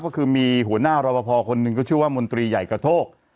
ก็คือมีหัวหน้ารอปภคนหนึ่งก็ชื่อว่ามนตรีใหญ่กระโทก